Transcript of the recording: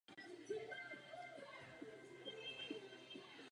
Mandát opět obhájil.